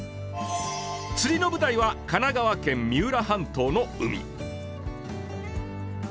釣りの舞台は神奈川県三浦半島の海。